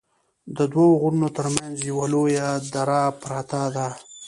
ددوو غرونو تر منځ یوه لویه دره پراته ده